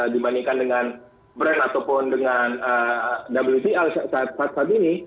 dibandingkan dengan brent ataupun dengan wcl saat ini